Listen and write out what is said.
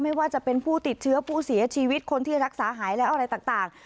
ไม่ว่าจะเป็นผู้ติดเชื้อผู้เสียชีวิตคนที่รักษาหายแล้วอะไรต่าง